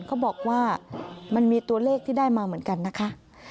เขาบอกว่ามันมีตัวเลขที่ได้มาเหมือนกันนะคะ